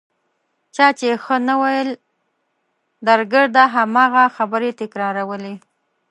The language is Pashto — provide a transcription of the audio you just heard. چا چې ښه نه ویل درګرده هماغه خبرې تکرارولې.